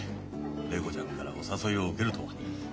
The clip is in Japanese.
礼子ちゃんからお誘いを受けるとは。